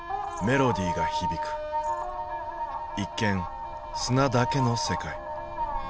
一見砂だけの世界。